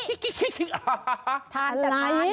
ฮ่าทานอะไร